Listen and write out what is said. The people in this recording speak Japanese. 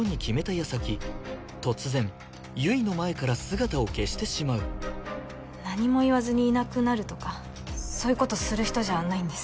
やさき突然悠依の前から姿を消してしまう何も言わずにいなくなるとかそういうことする人じゃないんです